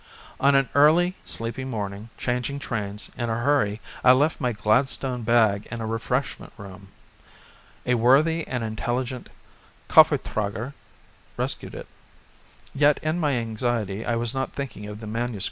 On an early, sleepy morning changing trains in a hurry I left my Gladstone bag in a refreshment room. A worthy and intelligent Koffertrager rescued it. Yet in my anxiety I was not thinking of the MS.